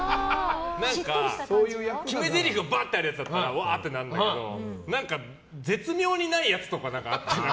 決め台詞がバってあるやつだったらわーってなるんだけど絶妙にないやつとか。